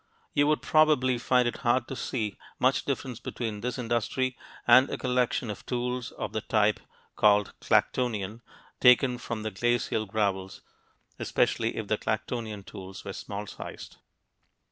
You would probably find it hard to see much difference between this industry and a collection of tools of the type called Clactonian, taken from the glacial gravels, especially if the Clactonian tools were small sized.